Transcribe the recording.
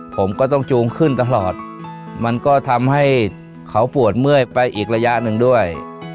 ผมก็ต้องจูงขึ้นตลอดมันก็ทำให้เขาปวดเมื่อยไปอีกระยะหนึ่งด้วย